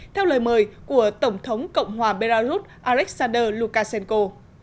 theo lời mời của tổng thống cộng hòa belarus alexander lukashenko